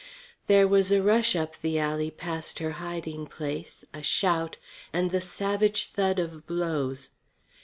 There was a rush up the alley past her hiding place, a shout, and the savage thud of blows.